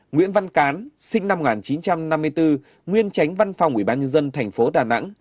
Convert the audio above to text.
nguyễn văn cán sinh năm một nghìn chín trăm năm mươi bốn nguyên tránh văn phòng ủy ban nhân dân thành phố đà nẵng